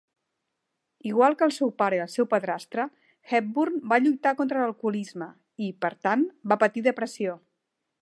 Igual que el seu pare i el seu padrastre, Hepburn va lluitar contra l'alcoholisme i, per tant, va patir depressió.